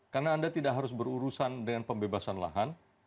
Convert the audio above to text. karena anda tidak harus berurusan dengan pembebasan lahan